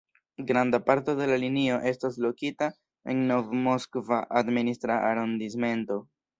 Granda parto de la linio estas lokita en Nov-Moskva administra arondismento.